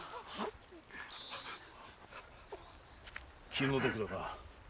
気の毒だが。